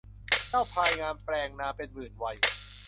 เจ้าพลายงามแปลงนามเป็นหมื่นไวย